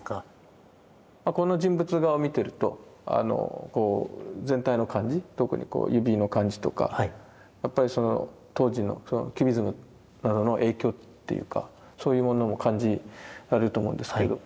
この人物画を見てると全体の感じ特に指の感じとかやっぱり当時のキュビズムの影響っていうかそういうものも感じられると思うんですけれども。